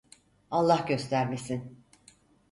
Allah göstermesin…